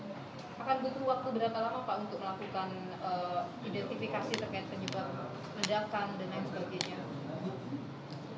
apakah butuh waktu berapa lama pak untuk melakukan identifikasi terkait penyebab ledakan dan lain sebagainya